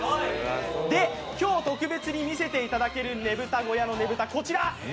で、今日特別に見せていただけるねぶた小屋のねぶた、こちら。